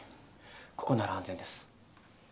ここなら安全です。